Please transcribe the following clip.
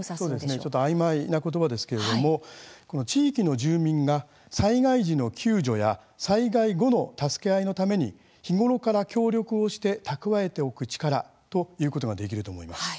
ちょっとあいまいな言葉ですけれども地域の住民が、災害時の救助や災害後の助け合いのために日頃から協力をして蓄えておく力ということができると思います。